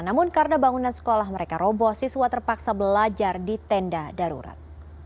namun karena bangunan sekolah mereka roboh siswa terpaksa belajar di tenda darurat